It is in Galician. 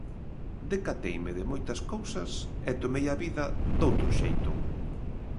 Decateime de moitas cousas e tomei a vida doutro xeito.